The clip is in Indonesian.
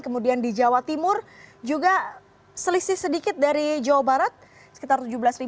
kemudian di jawa timur juga selisih sedikit dari jawa barat sekitar tujuh belas lima ratus